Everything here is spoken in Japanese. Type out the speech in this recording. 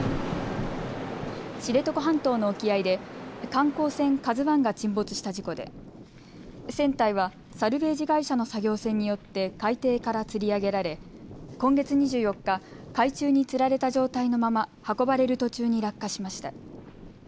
知床半島の沖合で観光船ＫＡＺＵＩが沈没した事故で船体はサルベージ会社の作業船によって海底からつり上げられ今月２４日、海中につられた状態のまま運ばれる途中に落下しました。